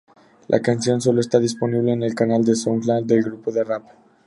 La canción sólo está disponible en el canal de Soundcloud del grupo de rap.